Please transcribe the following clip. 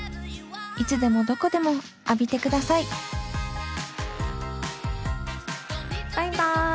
いつでもどこでも浴びてくださいバイバイ。